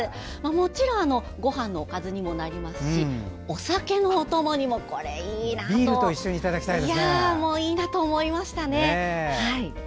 もちろんごはんのおかずにもなりますしお酒のお供にもいいなと思いました。